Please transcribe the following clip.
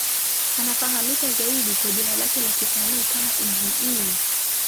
Anafahamika zaidi kwa jina lake la kisanii kama Eazy-E.